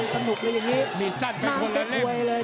สนุกเลยอย่างนี้